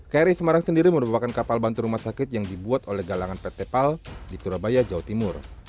kri semarang sendiri merupakan kapal bantu rumah sakit yang dibuat oleh galangan pt pal di surabaya jawa timur